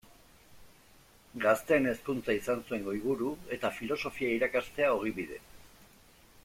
Gazteen hezkuntza izan zuen goiburu, eta filosofia irakastea ogibide.